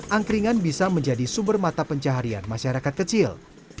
angkringan bisa menjadi sumber mata pencaharian masyarakat kecil